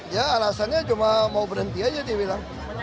ya alasannya cuma mau berhenti aja dia bilang